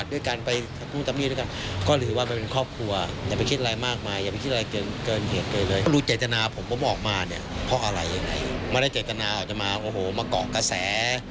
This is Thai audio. ว่ารู้จักนาต่อจะมาโอ้โหมาเกาะกระแส